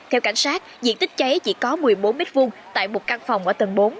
theo cảnh sát diện tích cháy chỉ có một mươi bốn m hai tại một căn phòng ở tầng bốn